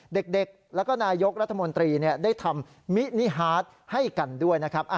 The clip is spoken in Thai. เด็กแล้วก็นายกรัฐมนตรีได้ทำมินิฮาร์ดให้กันด้วยนะครับ